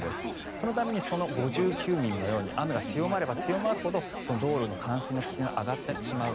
そのために５９ミリのように雨が強まれば強まるほど道路の冠水の危険が上がってしまう。